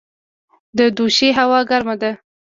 د دوشي هوا ګرمه ده